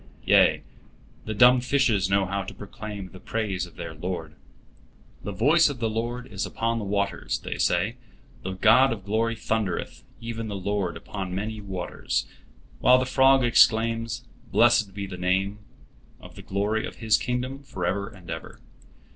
Yea, the dumb fishes know how to proclaim the praise of their Lord. "The voice of the Lord is upon the waters," they say, "the God of glory thundereth, even the Lord upon many waters"; while the frog exclaims, "Blessed be the name of the glory of His kingdom forever and ever."